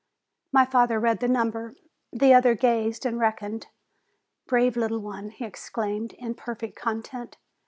My father read the number. The other gazed and reckoned. "Brave little one!" he exclaimed, in per fect content.